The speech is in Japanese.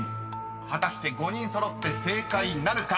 ［果たして５人揃って正解なるか？